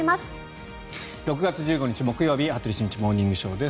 ６月１５日、木曜日「羽鳥慎一モーニングショー」。